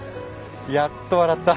やっと笑った。